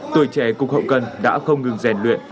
tuổi trẻ cục hậu cần đã không ngừng rèn luyện